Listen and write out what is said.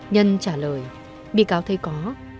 nhân trả lời bị cáo thấy có